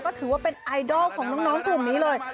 ก็ถือว่าเป็นไอดอลของน้องกลุ่มนี้เลย